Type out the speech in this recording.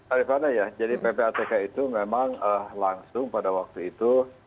arifana ya jadi ppatk itu memang langsung pada waktu itu